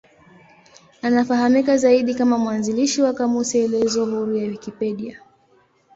Anafahamika zaidi kama mwanzilishi wa kamusi elezo huru ya Wikipedia.